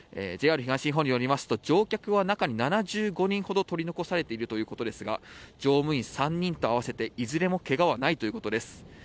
ＪＲ東日本によると乗客は中に７５人ほど取り残されているということですが乗務員３人と合わせていずれもけがはないということです。